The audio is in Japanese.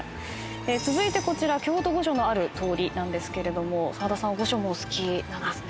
続いてこちら京都御所のある通りなんですけれども澤田さん御所もお好きなんですね。